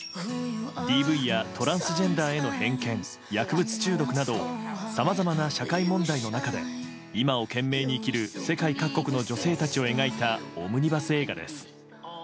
ＤＶやトランスジェンダーへの偏見、薬物中毒などさまざまな社会問題の中で今を懸命に生きる世界各国の女性たちを描いたオムニバス映画です。